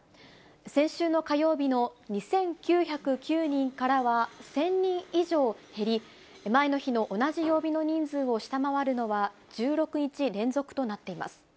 先週の火曜日の２９０９人からは１０００人以上減り、前の日の同じ曜日の人数を下回るのは１６日連続となっています。